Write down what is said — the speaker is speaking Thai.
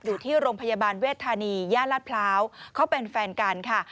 อยู่ที่โรงพยาบาลเวทธานีย่านลาดพร้าวเขาเป็นแฟนกันค่ะ